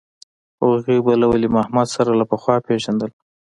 هغوى به له ولي محمد سره له پخوا پېژندل.